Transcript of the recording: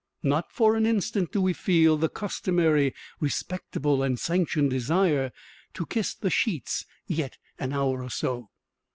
Not for an instant do we feel the customary respectable and sanctioned desire to kiss the sheets yet an hour or so.